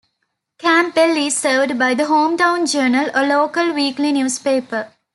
Campbell is served by the "Hometown Journal", a local weekly newspaper.